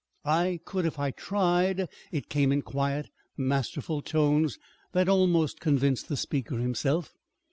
"I could, if I tried." It came in quiet, masterful tones that almost convinced the speaker himself.